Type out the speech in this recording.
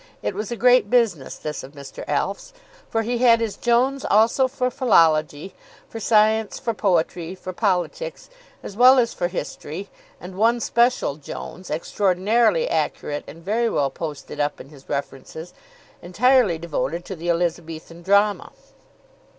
It was a great business, this of Mr. Alf's, for he had his Jones also for philology, for science, for poetry, for politics, as well as for history, and one special Jones, extraordinarily accurate and very well posted up in his references, entirely devoted to the Elizabethan drama.